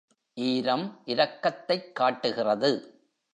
ஈரம் இரக்கத்தைக் காட்டுகிறது.